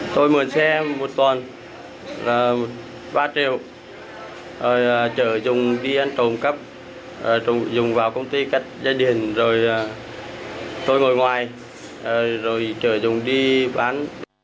tôi mượn xe một tuần là ba triệu chở dùng đi ăn trộm cắp dùng vào công ty cắt dây điện rồi tôi ngồi ngoài rồi chở dùng đi bán